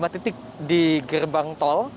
lima titik di gerbang tol